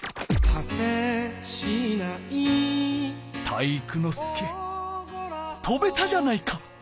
体育ノ介とべたじゃないか。